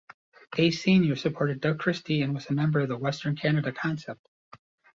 Day, Senior supported Doug Christie and was a member of the Western Canada Concept.